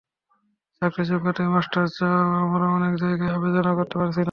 চাকরির যোগ্যতায় মাস্টার্স চাওয়ায় আমরা অনেক জায়গায় আবেদনও করতে পারছি না।